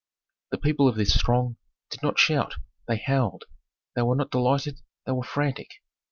The people of this throng did not shout, they howled; they were not delighted, they were frantic.